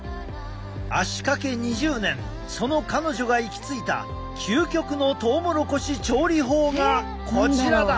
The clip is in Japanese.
足かけ２０年その彼女が行き着いた究極のトウモロコシ調理法がこちらだ！